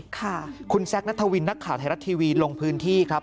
ค่ะคุณแซคนัทวินนักข่าวไทยรัฐทีวีลงพื้นที่ครับ